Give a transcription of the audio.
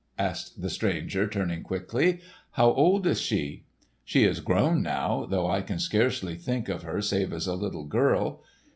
asked the stranger turning quickly. "How old is she?" "She is grown now, though I can scarcely think of her save as a little girl.